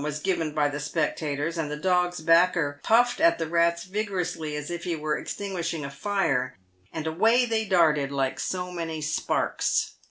was given by the specta tors, and the dog's backer puffed at the rats as vigorously as if he were extinguishing a fire, and away they darted like so many sparks.